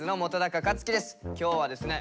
今日はですね